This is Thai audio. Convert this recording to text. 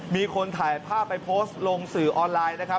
มีคนถ่ายภาพไปโพสต์ลงสื่อออนไลน์นะครับ